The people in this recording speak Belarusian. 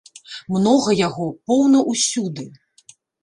Многа яго, поўна ўсюды!